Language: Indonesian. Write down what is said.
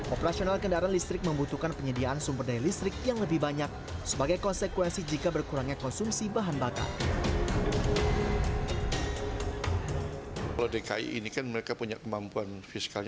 operasional kendaraan listrik membutuhkan penyediaan sumber daya listrik yang lebih banyak sebagai konsekuensi jika berkurangnya konsumsi bahan bakar